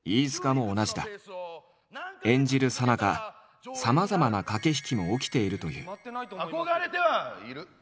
演じるさなかさまざまな駆け引きも起きているという。